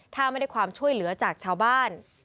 ถ้าไม่ได้ความช่วยเหลือจากชาวบ้าน